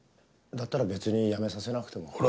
だったら別に辞めさせなくても。